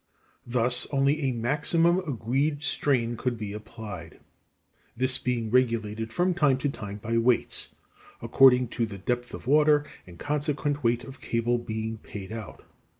Thus, only a maximum agreed strain could be applied, this being regulated from time to time by weights, according to the depth of water and consequent weight of cable being paid out.